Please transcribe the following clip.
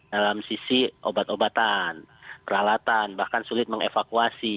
dalam sisi obat obatan peralatan bahkan sulit mengevakuasi